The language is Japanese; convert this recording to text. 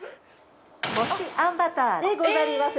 ◆「こしあんバター」でござりまする。